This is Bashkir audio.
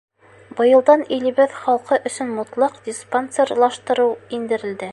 Быйылдан илебеҙ халҡы өсөн мотлаҡ диспансерлаштырыу индерелде.